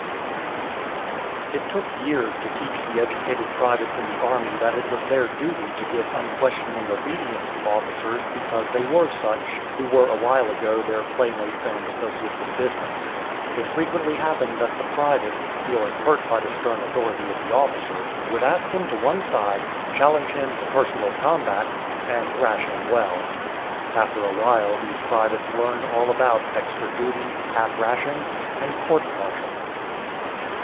It took years to teach the educated privates in the army that it was their duty to give unquestioning obedience to officers because they were such, who were awhile ago their playmates and associates in business. It frequently happened that the private, feeling hurt by the stern authority of the officer, would ask him to one side, challenge him to personal combat, and thrash him well. After awhile these privates learned all about extra duty, half rations, and courts martial.